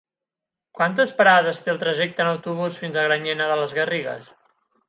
Quantes parades té el trajecte en autobús fins a Granyena de les Garrigues?